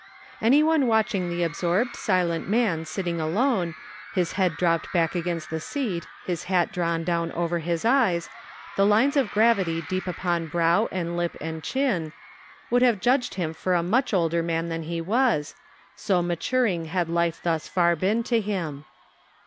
Any one watching the absorbed, silent man sitting alone, his head dropped back against the seat, his hat drawn down over his eyes, the lines of gravity deep upon brow and lip and chin, would have judged him for a much older man than he was, so maturing had life thus far been to him.